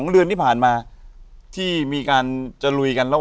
อยู่ที่แม่ศรีวิรัยิลครับ